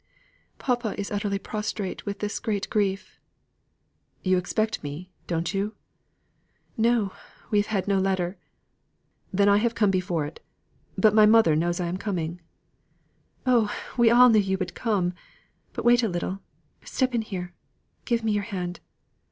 "Papa is utterly prostrate with this great grief." "You expect me, don't you?" "No, we have had no letter." "Then I have come before it. But my mother knows I am coming." "Oh! we all knew you would come. But wait a little! Step in here. Give me your hand.